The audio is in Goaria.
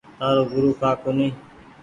تآرو گورو ڪآ ڪونيٚ ڇي۔